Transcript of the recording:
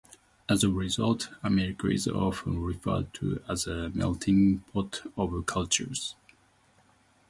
As a result, America is often referred to as a melting pot of cultures.